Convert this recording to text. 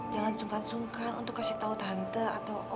jangan sungkan sungkan untuk kasih tau tante atau om